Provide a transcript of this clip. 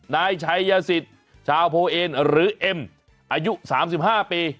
นายชัยสิทธิ์ชาวโพเอนหรือเอ็มอายุ๓๕ปี